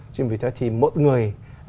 chính vì thế thì một người